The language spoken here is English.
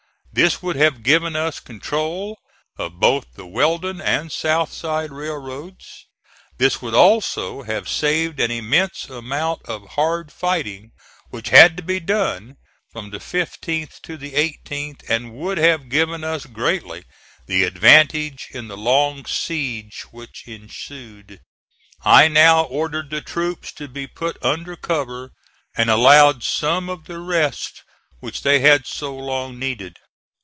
This would have given us control of both the Weldon and South Side railroads. This would also have saved an immense amount of hard fighting which had to be done from the 15th to the 18th, and would have given us greatly the advantage in the long siege which ensued. I now ordered the troops to be put under cover and allowed some of the rest which they had so long needed.